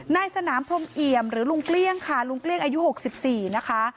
ในสนามพรมเอียมหรือลุงเกลี้ยงค่ะลุงเกลี้ยงอายุหกสิบสี่นะคะ